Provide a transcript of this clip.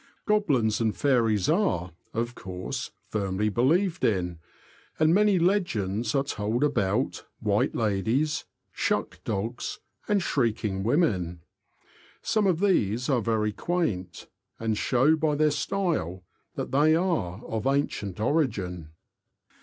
Goblins and fairies are, of course, firmly believed in, and many legends are told about "White Ladies,'* ''Shuck Dogs," and ''Shrieking Women." Some of these are very quaint, and show by their style that they are of ancient origin.